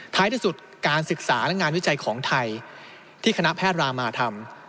ท้ายที่สุดการศึกษาและงานวิจัยของไทยที่คณะแพทย์รามาธรรม